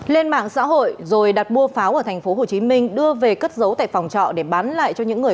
lên mạng xã hội rồi đặt mua pháo ở tp hcm đưa về cất giấu tại phòng trọ để bán lại cho những người